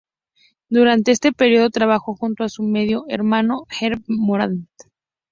Durante este periodo, trabajó junto a su medio-hermano Herb Morand.